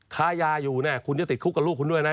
ค้ายาอยู่เนี่ยคุณจะติดคุกกับลูกคุณด้วยนะ